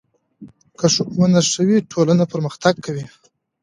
که ښوونه ښه وي، ټولنه پرمختګ کوي.